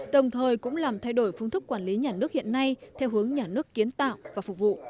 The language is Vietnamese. đồng thời cũng làm thay đổi phương thức quản lý nhà nước hiện nay theo hướng nhà nước kiến tạo và phục vụ